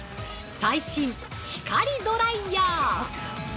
最新・光ドライヤー。